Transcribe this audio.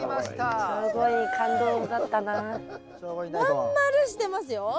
真ん丸してますよ。